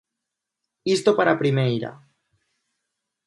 Isto para primeira.